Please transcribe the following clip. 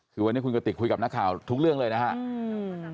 คือวันนี้คุณกติกคุยกับนักข่าวทุกเรื่องเลยนะครับ